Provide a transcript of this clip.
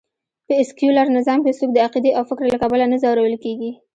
په سکیولر نظام کې څوک د عقېدې او فکر له کبله نه ځورول کېږي